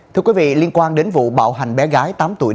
thưa quý vị liên quan đến vụ bạo hành bé gái tám tuổi